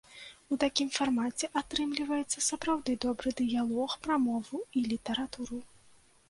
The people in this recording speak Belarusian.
У такім фармаце атрымліваецца сапраўды добры дыялог пра мову і літаратуру.